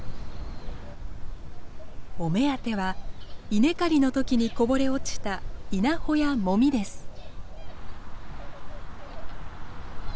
お目当ては稲刈りの時にこぼれ落ちた稲穂やもみです。